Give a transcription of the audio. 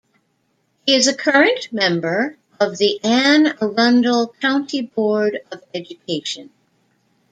He is a current member of the Anne Arundel County Board of Education.